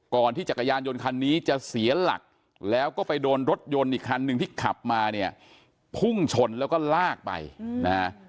ที่จักรยานยนต์คันนี้จะเสียหลักแล้วก็ไปโดนรถยนต์อีกคันหนึ่งที่ขับมาเนี่ยพุ่งชนแล้วก็ลากไปนะฮะ